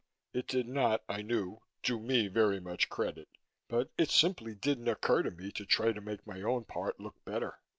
It did not, I knew, do me very much credit, but it simply didn't occur to me to try to make my own part look better.